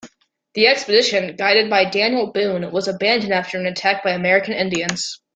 The expedition, guided by Daniel Boone, was abandoned after an attack by American Indians.